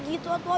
dia sudah besar